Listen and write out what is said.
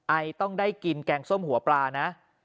ไอต้องได้กินแกงส้มหัวปลานะ